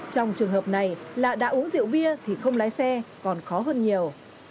trong trường hợp này là đã uống rượu bia thì không lái xe còn khó hơn nhiều